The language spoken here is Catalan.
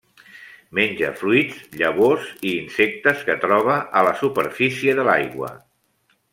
Menja fruits, llavors i insectes que troba a la superfície de l'aigua.